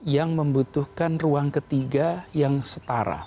yang membutuhkan ruang ketiga yang setara